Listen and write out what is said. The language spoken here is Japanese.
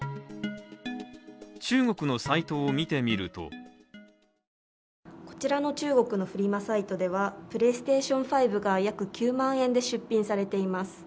中国のサイトを見てみるとこちらの中国のフリマサイトではプレイステーション５が約９万円で出品されています。